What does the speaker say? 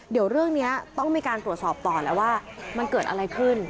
เดี๋ยวเรื่องนี้ต้องมีการตรวจสอบต่อแล้วว่ามันเกิดอะไรขึ้น